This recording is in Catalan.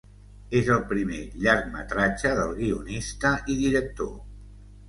És el primer llargmetratge del guionista i director.